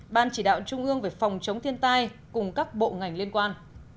ban chỉ đạo trung ương về phòng chống thiên tai cùng các bộ ngành liên quan